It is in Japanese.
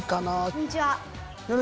こんにちは。